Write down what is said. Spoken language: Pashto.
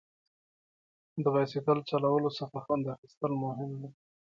د بایسکل چلولو څخه خوند اخیستل مهم دي.